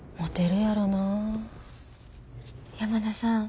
山田さん。